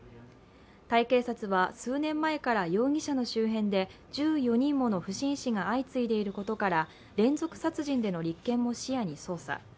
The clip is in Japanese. タイ警察は、数年前から容疑者の周辺で１４人もの不審死が相次いでいることから連続殺人での立件も視野に捜査。